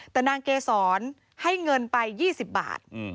แต่นางเกศรให้เงินไปยี่สิบบาท